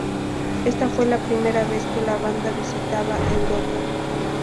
Esta fue la primera vez que la banda visitaba Europa.